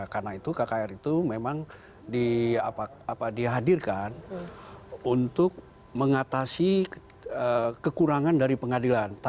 karena itu kkr itu memang dihadirkan untuk mengatasi kekurangan dari pengadilan